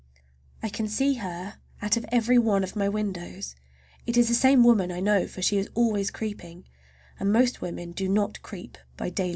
I can see her out of every one of my windows! It is the same woman, I know, for she is always creeping, and most women do not creep by daylight.